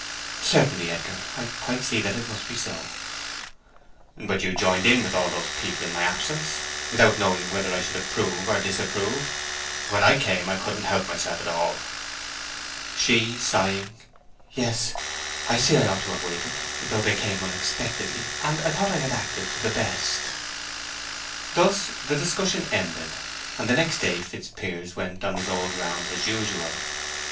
"Certainly, Edgar—I quite see that it must be so." "But you joined in with all those people in my absence, without knowing whether I should approve or disapprove. When I came I couldn't help myself at all." She, sighing: "Yes—I see I ought to have waited; though they came unexpectedly, and I thought I had acted for the best." Thus the discussion ended, and the next day Fitzpiers went on his old rounds as usual.